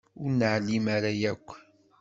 Ur nεellem ara yakk.